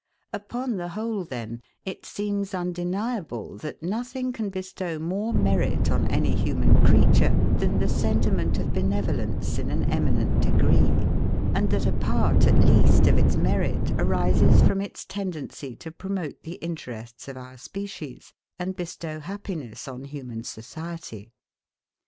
Upon the whole, then, it seems undeniable, THAT nothing can bestow more merit on any human creature than the sentiment of benevolence in an eminent degree; and THAT a PART, at least, of its merit arises from its tendency to promote the interests of our species, and bestow happiness on human society.